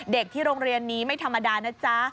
เด็กที่โรงเรียนนี้ไม่ธรรมดานะจ๊ะ